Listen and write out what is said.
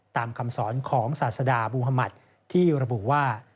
คำสอนของศาสดาบูธมัติที่ระบุว่า